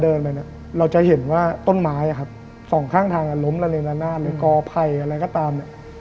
เมื่อเราเดินไปเราจะเห็นว่าต้นไม้สองข้างทางล้มละเนินละนาดกอพัยอะไรก็ตาม